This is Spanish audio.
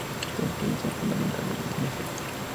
Su intención fundamental es de denuncia social.